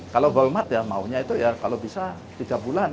kalau holmat ya maunya itu ya kalau bisa tiga bulan